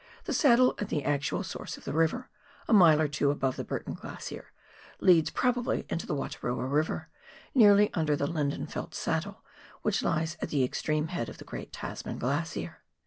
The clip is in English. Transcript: The saddle at the actual source of the river, a mile or two above the Burton Glacier, leads probably into the Wataroa River, nearly under the Lendenfeldt saddle, which lies at the extreme head of the great Tasman Glacier.